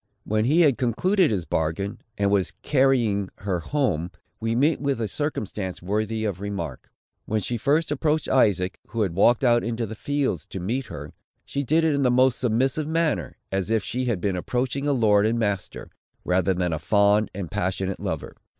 When he had concluded his bargain, and was carrying her home, we meet with a circumstance worthy of remark. When she first approached Isaac, who had walked out into the fields to meet her, she did it in the most submissive manner, as if she had been approaching a lord and master, rather than a fond and passionate lover.